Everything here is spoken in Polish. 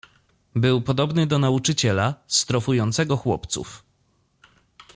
"Był podobny do nauczyciela, strofującego chłopców."